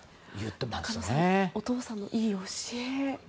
中野さんお父さんのいい教え。